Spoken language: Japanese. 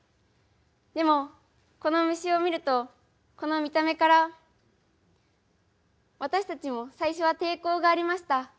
でもこの虫を見るとこの見た目から私たちも最初は抵抗がありました。